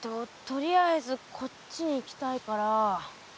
とりあえずこっちに行きたいから。